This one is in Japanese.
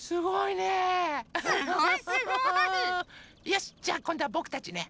よしじゃあこんどはぼくたちね。